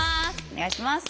お願いします。